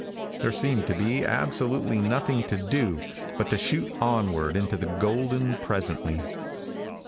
There seemed to be absolutely nothing to do but to shoot onward into the golden presently.